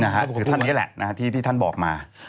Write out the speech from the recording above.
คือท่านนี้แหละที่ท่านบอกมา